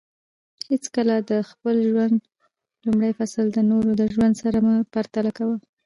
حیڅکله د خپل ژوند لومړی فصل د نورو د ژوند سره مه پرتله کوه